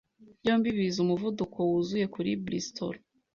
byombi biza umuvuduko wuzuye kuri Bristol.